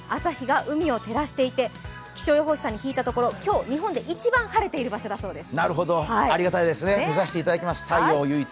朝日が海を照らしていて、気象予報士さんに聞いたところ、今日、日本で一番晴れている場所だそうです。